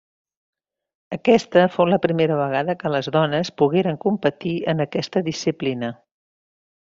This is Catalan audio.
Aquesta fou la primera vegada que les dones pogueren competir en aquesta disciplina.